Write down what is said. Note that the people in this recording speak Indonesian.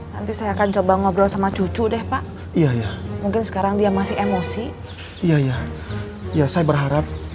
nanti saya akan coba ngobrol sama cucu deh pak iya ya mungkin sekarang dia masih emosi iya ya saya berharap